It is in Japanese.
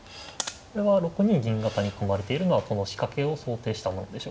これは６二銀型に組まれているのはこの仕掛けを想定したものでした？